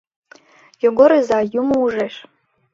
Йогор изай, юмо ужеш...